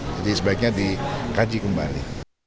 jadi sebaiknya dikaji kembali